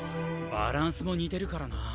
バランスも似てるからな。